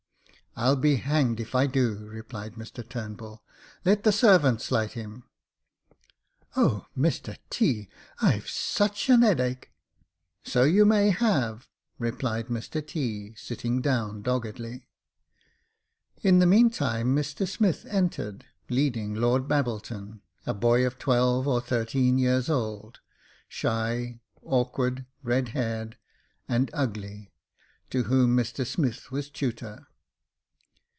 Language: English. '* I'll be hanged if I do," replied Mr Turnbull ; "let the servants light him." " O, Mr T,, I've such an 'eadache !"So you may have," replied Mr T,, sitting down doggedly. In the meantime Mr Smith entered, leading Lord Babbleton, a boy of twelve or thirteeen years old, shy, awkward, red haired, and ugly, to whom Mr Smith was tutor.